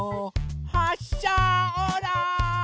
はっしゃオーライ！